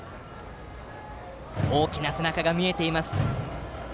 大きな背中が見えています。